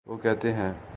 وہ کہتے ہیں۔